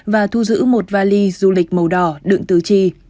và thu giữ một vali du lịch màu đỏ đựng tứ chi